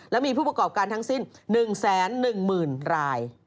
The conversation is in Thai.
แล้วมีผู้ประกอบการทั้งสิ้น๑แสน๑หมื่นราย